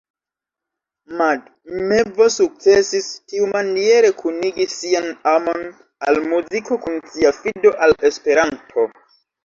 Mad Mevo sukcesis tiumaniere kunigi sian amon al muziko kun sia fido al Esperanto.